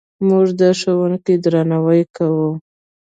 موږ د ښوونکو درناوی کوو.